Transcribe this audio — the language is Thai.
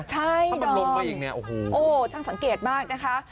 ใช่ดอมถ้ามันล้มมาอย่างนี้โอ้โหช่างสังเกตมากนะคะ